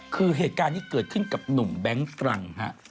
คือเหตุการณ์นี้เกิดขึ้นกับหนุ่มแบงค์ตรังฮะ